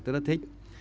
tôi rất thích